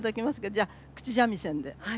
じゃあ口三味線で。